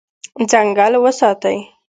ځنګل وساتئ.